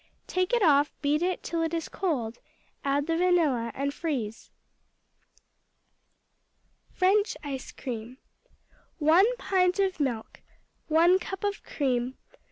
Take it off, beat it till it is cold, add the vanilla, and freeze. French Ice cream 1 pint of milk. 1 cup of cream.